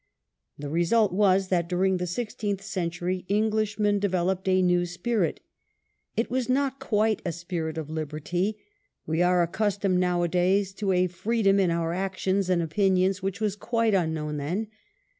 The result was that during the sixteenth century Eng lishmen developed a new spirit. It was not quite a spirit of liberty. We are accustomed nowadays to lc^ to a na a freedom in our actions and opinions which ^onai spwt. was quite unknown then.